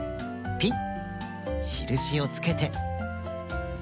ピッ！